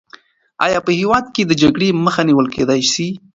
آیا په هېواد کې د جګړې مخه نیول کېدای سي؟